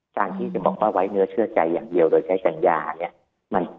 การที่จะบอกว่าไว้เนื้อเชื่อใจอย่างเดียวโดยใช้สัญญาเนี่ย